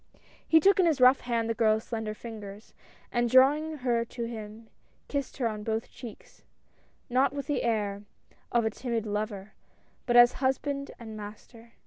" He took in his rough hand the girl's slender fingers, and drawing her to him kissed her on both cheeks, not with the air of a timid lover, but as husband and master.